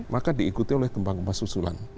maka diikuti oleh gempa gempa susulan